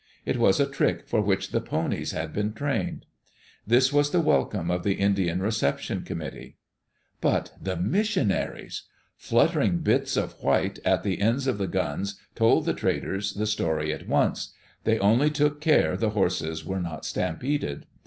It was a trick for which the ponies had been trained. This was the welcome of the Indian reception committee. But the missionaries! Fluttering bits of white at the ends of the guns told the traders the story* at once. They only took care the horses were not stampeded.